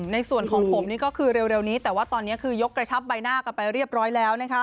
ในส่วนของผมนี่ก็คือเร็วนี้แต่ว่าตอนนี้คือยกกระชับใบหน้ากันไปเรียบร้อยแล้วนะคะ